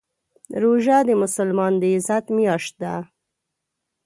روژه د مسلمان د عزت میاشت ده.